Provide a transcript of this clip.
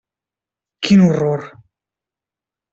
Quin horror!